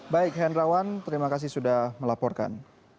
baik hendrawan terima kasih sudah melaporkan